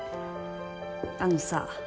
あのさ